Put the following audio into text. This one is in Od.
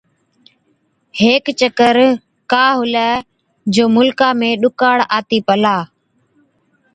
هيڪ چڪر ڪا هُلَي جو مُلڪا ۾ ڏُڪاڙ آتِي پلا۔